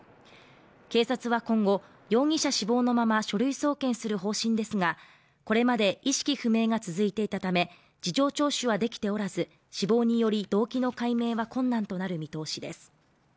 警察は今後、容疑者死亡のまま書類送検する方針ですがこれまで意識不明が続いていたため、事情聴取はできておらず、死亡により動機の解明は困難となる見通しです。